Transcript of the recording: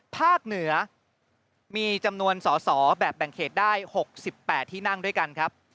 ภาคเหนือมีจำนวนสอสอแบบแบ่งเขตได้๖๘ที่นั่งด้วยกันครับ